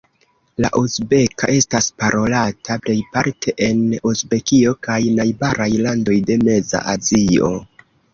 La uzbeka estas parolata plejparte en Uzbekio kaj najbaraj landoj de Meza Azio.